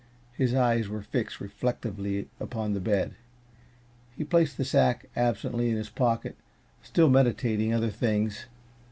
His eyes were fixed reflectively upon the bed. He placed the sack absently in his pocket, still meditating other things.